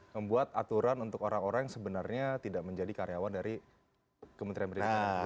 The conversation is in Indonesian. membuat aturan untuk orang orang yang sebenarnya tidak menjadi karyawan dari kementerian pendidikan